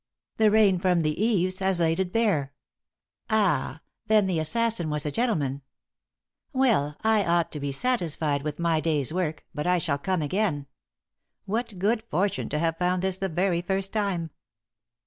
The rain from the eaves has laid it bare. Ah! then the assassin was a gentleman. Well, I ought to be satisfied with my day's work, but I shall come again. What good fortune to have found this the very first time."